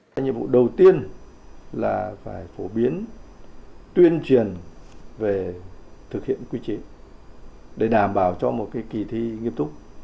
phổ biến tuyên truyền về thực hiện quy chế để đảm bảo cho một kỳ thi nghiêm túc